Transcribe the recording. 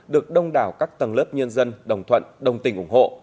phong đảo các tầng lớp nhân dân đồng thuận đồng tình ủng hộ